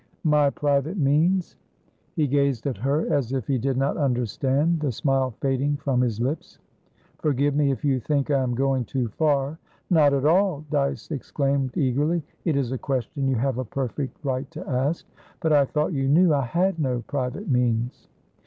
"My private means?" He gazed at her as if he did not understand, the smile fading from his lips. "Forgive me if you think I am going too far" "Not at all!" Dyce exclaimed, eagerly. "It is a question you have a perfect right to ask. But I thought you knew I had no private means."